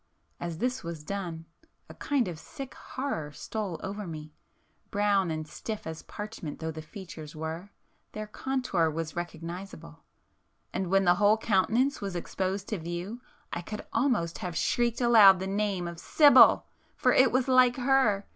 As this was done, a kind of sick horror stole over me,—brown and stiff as parchment though the features were, their contour was recognisable,—and when the whole countenance was exposed to view I could almost have shrieked aloud the name of 'Sibyl!' For it was like her!